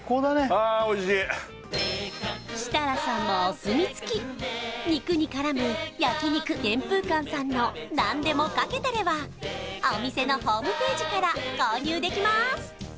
あおいしい設楽さんもお墨付き肉に絡む焼肉玄風館さんのなんでもかけたれはお店のホームページから購入できます